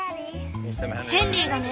ヘンリーがね